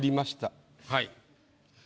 はい。